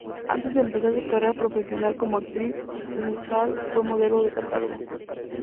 Antes de empezar su carrera profesional como actriz, Michalka fue modelo de catálogo.